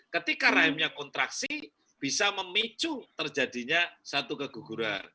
ketika rahimnya kontraksi bisa memicu terjadinya satu keguguran